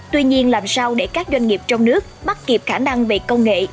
tuy nhiên làm sao để các doanh nghiệp trong nước bắt kịp khả năng về công nghệ